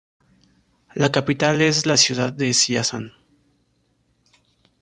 La capital es la ciudad de Siyəzən.